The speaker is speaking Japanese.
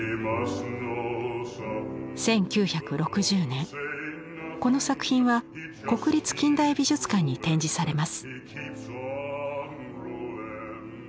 １９６０年この作品は国立近代美術館に展示されます。